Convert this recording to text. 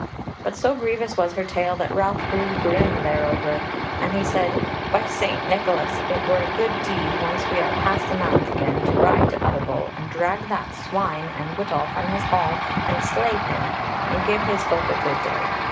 But so grievous was her tale that Ralph grew grim thereover, and he said: "By St. Nicholas! it were a good deed, once we are past the mountains again, to ride to Utterbol and drag that swine and wittol from his hall and slay him, and give his folk a good day.